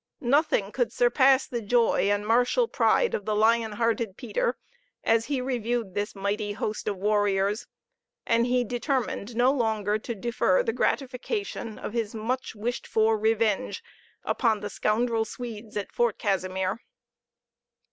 Nothing could surpass the joy and martial pride of the lion hearted Peter as he reviewed this mighty host of warriors, and he determined no longer to defer the gratification of his much wished for revenge upon the scoundrel Swedes at Fort Casimir.